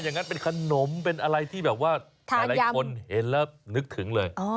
อย่างนั้นเป็นขนมเป็นอะไรที่แบบว่าหลายคนเห็นแล้วนึกถึงเลย